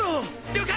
了解！